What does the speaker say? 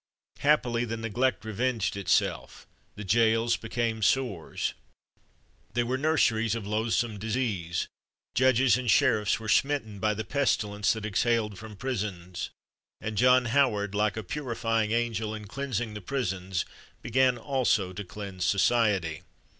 Happily the neglect revenged itself. The jails became sores. They were nurseries of loathsome disease. Judges and sheriffs were smitten by the pestilence that exhaled from prisons, and John Howard, like a purifying angel, in cleansing the prisons began also to cleanse society.